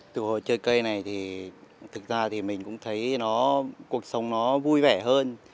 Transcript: từ hồi chơi cây này thì thực ra mình cũng thấy cuộc sống nó vui vẻ hơn